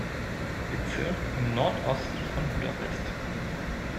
Bezirk im Nordosten von Budapest.